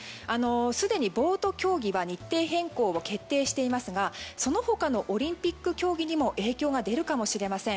すでにボート競技は日程変更を決定していますがその他のオリンピック競技にも影響が出るかもしれません。